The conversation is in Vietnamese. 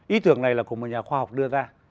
ý tưởng này là của một nhà khoa học đưa ra